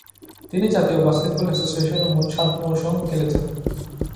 তিনি জাতীয় বাস্কেটবল অ্যাসোসিয়েশনে মোট সাত মৌসুম খেলেছেন।